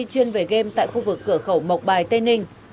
chuyên về game tại khu vực cửa khẩu mộc bài tây ninh